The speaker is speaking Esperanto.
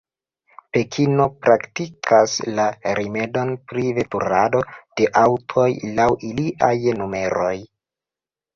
Pekino praktikas la rimedon pri veturado de aŭtoj laŭ iliaj numeroj.